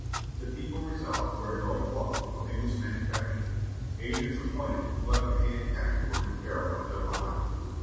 The people resolved to wear no cloth of English manufacture. Agents appointed to collect the hated tax were in peril of their lives.